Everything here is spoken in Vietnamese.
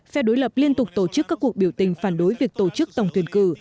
phe đối lập liên tục tổ chức các cuộc biểu tình phản đối việc tổ chức tổng tuyển cử